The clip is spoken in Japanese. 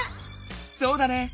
そうだね！